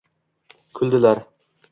Kuldilar.